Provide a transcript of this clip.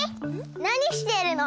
なにしてるの？